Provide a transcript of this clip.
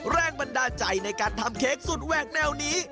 แรงบันดาลใจในการทำเค้กสุดแหวกแนวนี้